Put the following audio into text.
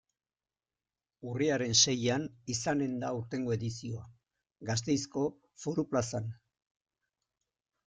Urriaren seian izanen da aurtengo edizioa, Gasteizko Foru Plazan.